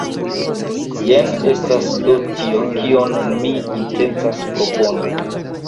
Jen estas do tio, kion mi intencas proponi.